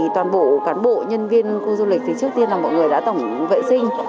toàn bộ cán bộ nhân viên khu du lịch thì trước tiên là mọi người đã tổng vệ sinh